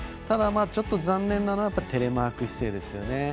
ただ、ちょっと残念なのはテレマーク姿勢ですよね。